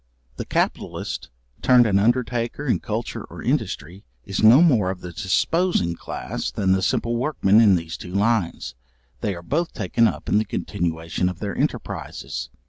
The capitalist, turned an undertaker in culture or industry, is no more of the disposing class, than the simple workmen in those two lines; they are both taken up in the continuation of their enterprises.